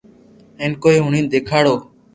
ھين ڪوئي ھئين ديکاڙو